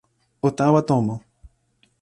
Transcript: o tawa tomo.